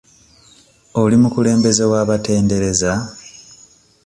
Oli mukulembeze w'abatendereza?